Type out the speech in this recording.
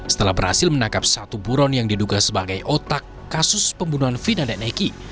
setelah berhasil menangkap satu buron yang diduga sebagai otak kasus pembunuhan vina dan neki